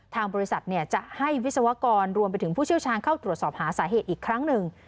ทางบริษัทจะให้วิศวกรรวมไปถึงผู้เชี่ยวชาญเข้าตรวจสอบหาสาเหตุอีกครั้งหนึ่ง